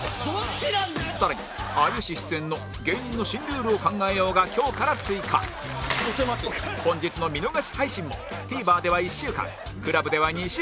更に有吉出演の芸人の新ルールを考えよう！！が今日から追加本日の見逃し配信も ＴＶｅｒ では１週間 ＣＬＵＢ では２週間